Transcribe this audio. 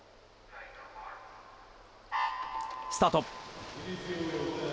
スタート。